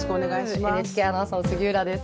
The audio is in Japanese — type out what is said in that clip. ＮＨＫアナウンサーの杉浦です。